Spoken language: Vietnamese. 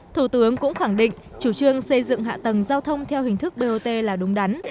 thủ tướng cũng khẳng định chủ trương xây dựng hạ tầng giao thông theo hình thức bot là đúng đắn